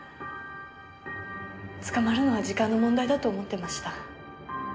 捕まるのは時間の問題だと思ってました。